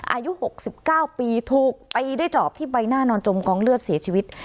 อายุ๖๙ปีถูกตีด้วยจอบที่ใบหน้านอนจมกองเลือดเสียชีวิต